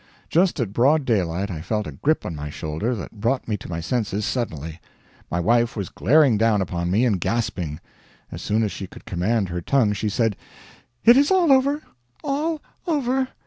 Just at broad daylight I felt a grip on my shoulder that brought me to my senses suddenly. My wife was glaring down upon me and gasping. As soon as she could command her tongue she said: "It is all over! All over!